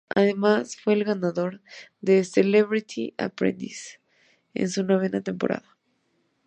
Además fue el ganador de "The Celebrity Apprentice" en su novena temporada.